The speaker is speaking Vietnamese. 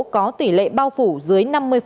có tỉ lệ bao phủ dưới năm mươi